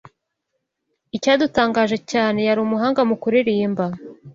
Icyadutangaje cyane, yari umuhanga mu kuririmba.